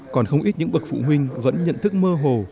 còn không ít những bậc phụ huynh vẫn nhận thức mơ hồ